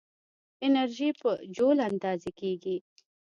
انرژي په جول اندازه کېږي.